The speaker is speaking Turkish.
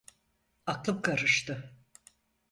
Aklım karıştı.